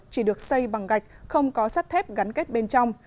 chỉ được xây bằng gạch không có sắt thép gắn kết bên trong